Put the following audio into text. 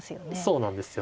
そうなんですよね。